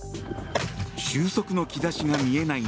収束の兆しが見えない